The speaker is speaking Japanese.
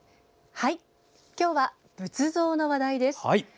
はい、今日は仏像の話題です。